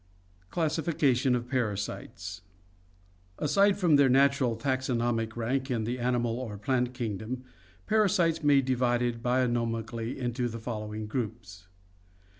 Classification of Parasites Aside from their natural taxonomic rank in the animal or plant kingdom, parasites may be divided bionomically into the following groups.